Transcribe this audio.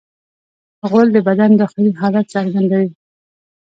غول د بدن داخلي حالت څرګندوي.